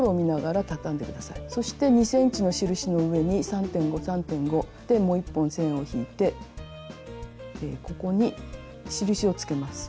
そして２ｃｍの印の上に３．５３．５でもう１本線を引いてここに印をつけます。